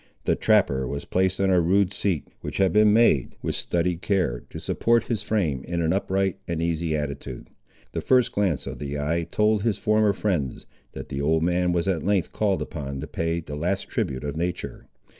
The trapper was placed on a rude seat, which had been made, with studied care, to support his frame in an upright and easy attitude. The first glance of the eye told his former friends, that the old man was at length called upon to pay the last tribute of nature.